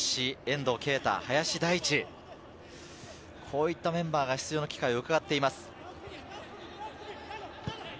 こういったメンバーが出場の機会を狙っています。